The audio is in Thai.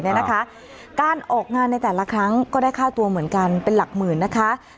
การออกงานในแต่ละครั้งก็ได้ค่าตัวเหมือนกันเป็นหลักหมื่นนะคะ